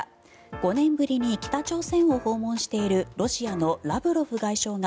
５年ぶりに北朝鮮を訪問しているロシアのラブロフ外相が